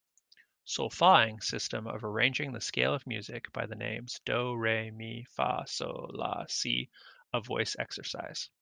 Solfaing system of arranging the scale of music by the names do, re, mi, fa, sol, la, si a voice exercise.